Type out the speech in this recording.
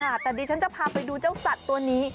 อ่าตอนนี้ฉันจะพาไปดูเจ้าสัตว์ตัวนี้